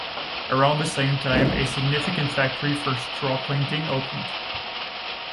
Around the same time, a significant factory for straw plaiting opened.